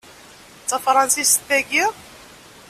D tafṛansist tagi?